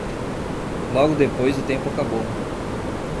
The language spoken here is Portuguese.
Logo depois o tempo acabou.